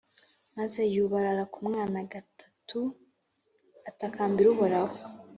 Maze yubarara ku mwana gatatu atakambira Uhoraho